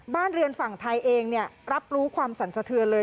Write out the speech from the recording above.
บ้านเรือนฝั่งไทยเองรับรู้ความสั่นสะเทือนเลย